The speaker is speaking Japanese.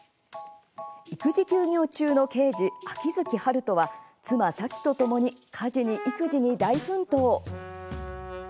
育児休業中の刑事秋月春風は妻、沙樹とともに家事に育児に大奮闘。